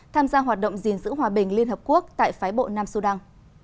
tham gia hoạt động gìn giữ hòa bình liên hợp quốc tại phái bộ nam sudan